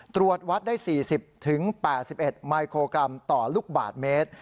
ตรวจวัดได้๔๐๘๑มิโครกรัมต่อลูกบาทเมตร